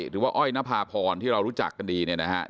หรือว่าอ้อยนภาพรที่เรารู้จักกันดี